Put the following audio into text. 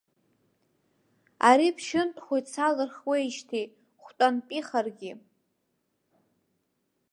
Ари ԥшьынтәхоит салырхуеижьҭеи, хәтәантәихаргьы.